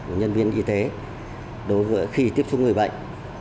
của nhân viên y tế đối với khi tiếp xúc người bệnh